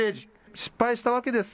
失敗したわけです。